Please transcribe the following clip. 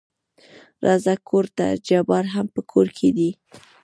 راځه کورته جبار هم په کور کې دى.